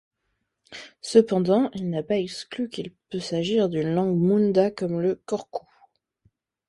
Cependant, il n'a pas exclu qu'il peut s'agir d'une langue munda comme le korku.